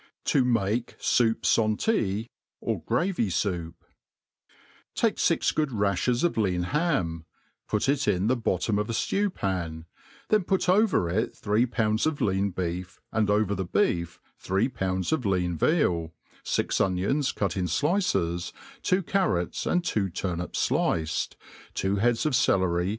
To make Soup Santea^ or Oravy Soup^, TAKE fix good rafhers of lean ham,» put it in the bottom of a ftew pan ; then put over it three pounds of lean becf» ^nd V over the beef three pounds of lean veal, fix onions cut in OA^^H two carrots, and two turnips fliced, two heads of celery, ^.